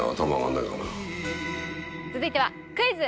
続いてはクイズ！